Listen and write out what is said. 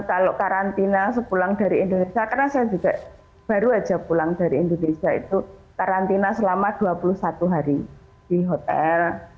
kalau karantina sepulang dari indonesia karena saya juga baru saja pulang dari indonesia itu karantina selama dua puluh satu hari di hotel